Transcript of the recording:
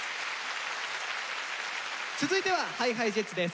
続いてはＨｉＨｉＪｅｔｓです。